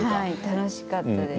楽しかったです。